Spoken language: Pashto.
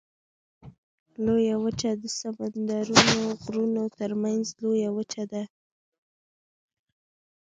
لویه وچه د سمندرونو غرونو ترمنځ لویه وچه ده.